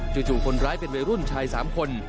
จู่คนร้ายเป็นวัยรุ่นชาย๓คน